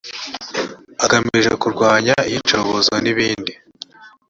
agamije kurwanya iyicarubozo n ibindi